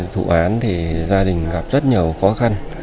vụ án thì gia đình gặp rất nhiều khó khăn